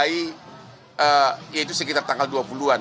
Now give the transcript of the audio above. yaitu sekitar tanggal dua puluh an